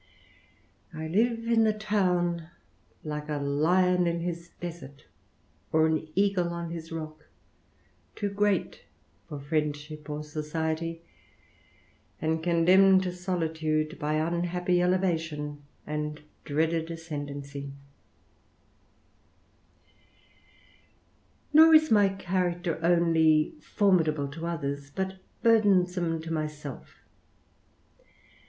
I live in the town like a lion in his desert, or an eagle on his rock, too great for friendship or society, and condemned to solitude by unhappy elevation and dreaded ascendency Nor is my character only formidable to others, bi* burdensome to myself.